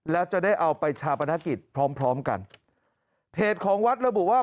แล้วจะได้เอาไปชาปนกิจพร้อมพร้อมกันเพจของวัดระบุว่า